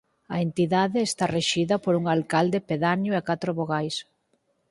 A entidade está rexida por un alcalde pedáneo e catro vogais.